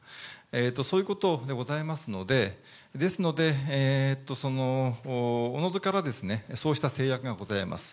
そういうことでございますので、ですので、おのずから、そうしたせいやくがございます。